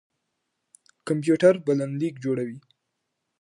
کمپيوټر بلنليک جوړوي.